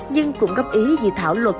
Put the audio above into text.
nhưng cũng góp ý dự thảo luật